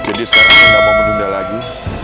jadi sekarang saya gak mau menunda lagi